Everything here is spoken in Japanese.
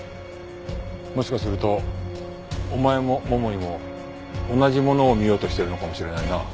もしかするとお前も桃井も同じものを見ようとしてるのかもしれないな。